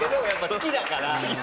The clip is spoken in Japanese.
好きだから。